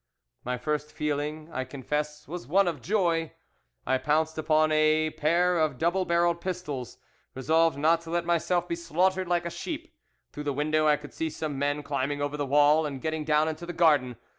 "My first feeling, I confess, was one of joy. I pounced upon a pair of double barrelled pistols, resolved not to let myself be slaughtered like a sheep. Through the window I could see some men climbing over the wall and getting down into the garden.